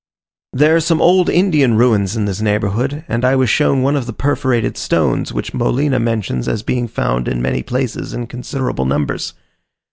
There are some old Indian ruins in this neighbourhood, and I was shown one of the perforated stones, which Molina mentions as being found in many places in considerable numbers.